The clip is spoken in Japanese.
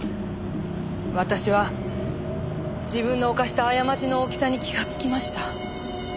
私は自分の犯した過ちの大きさに気がつきました。